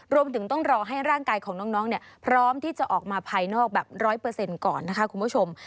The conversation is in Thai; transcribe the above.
รวมถึงต้องรอให้ร่างกายของน้องพร้อมที่จะออกมาภายนอกแบบ๑๐๐ก่อนนะคะคุณผู้ชม